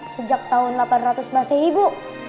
sejak tahun delapan ratus masih ibu